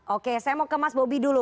oke saya mau ke mas bobi dulu